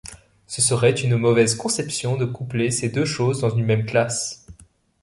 Ce serait une mauvaise conception de coupler ces deux choses dans une même classe.